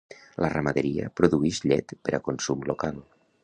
La ramaderia produïx llet per a consum local.